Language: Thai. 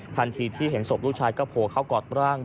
ทันทีที่เห็นศพลูกชายก็โผล่เข้ากอดร่าง